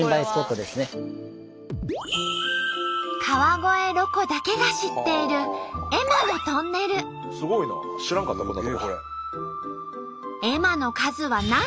川越ロコだけが知っているすごいな。